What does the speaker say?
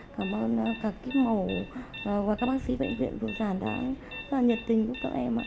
cảm ơn các kích mẫu và các bác sĩ bệnh viện phụ sản đã rất là nhiệt tình với các em